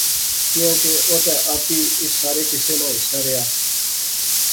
کیاں کہ او تہ اپی اس سارے کُسے ناں حصہ رہیا